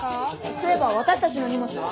そういえば私たちの荷物は？